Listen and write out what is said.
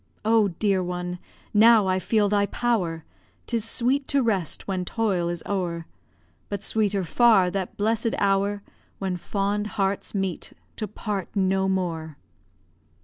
O! dear one, now I feel thy power, 'Tis sweet to rest when toil is o'er, But sweeter far that blessed hour When fond hearts meet to part no more.